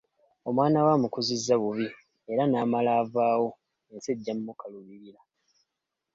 Omwana we amukuzizza bubi era n'amala avaawo ensi ejja mmukaluubirira.